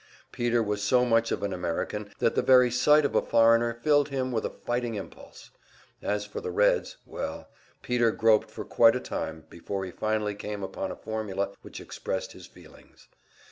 Peter was so much of an American that the very sight of a foreigner filled him with a fighting impulse. As for the Reds well, Peter groped for quite a time before he finally came upon a formula which expressed his feelings.